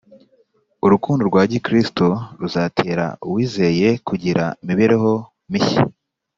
urukundo rwa kristo ruzatera uwizeye kugira imibereho mishya